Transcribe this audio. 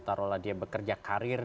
taruhlah dia bekerja karir